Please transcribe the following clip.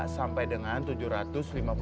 sampai dengan tujuh ratus lima puluh